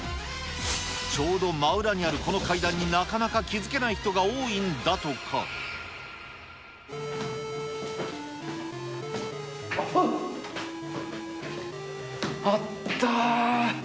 ちょうど真裏にあるこの階段になかなか気付けない人が多いんだとあっ、あったー。